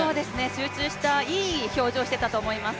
集中した、いい表情をしていたと思います。